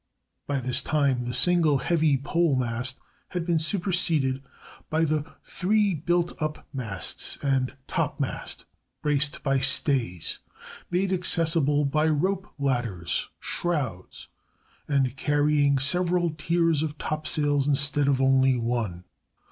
By this time the single heavy pole mast had been superseded by the three built up masts and topmasts, braced by stays, made accessible by rope ladders (shrouds), and carrying several tiers of topsails instead of only one.